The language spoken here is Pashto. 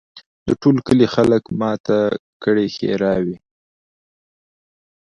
د ټول کلي خلک ماته کړي ښراوي